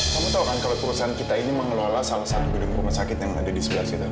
kamu tau kan kalau perusahaan kita ini mengelola salah satu gedung rumah sakit yang ada di sebelah situ